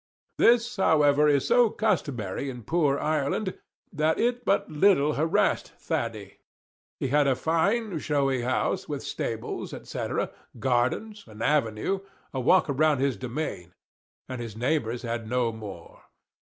This, however, is so customary in poor Ireland that it but little harassed Thady. He had a fine, showy house, with stables, &c., gardens, an avenue, and a walk round his demesne; and his neighbours had no more.